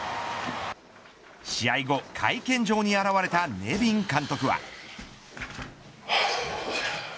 試合後、会見場に現れたネビン監督は。